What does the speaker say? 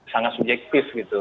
sangat subjektif gitu